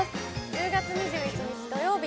１０月２１日土曜日